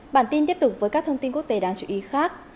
bản tin tiếp tục với các thông tin quốc tế đáng chú ý khác